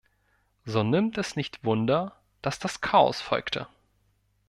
So nimmt es nicht wunder, dass das Chaos folgte.